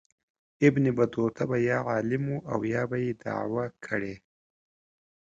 ابن بطوطه به یا عالم و او یا به یې دعوه کړې.